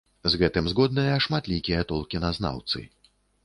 З гэтым згодныя шматлікія толкіназнаўцы.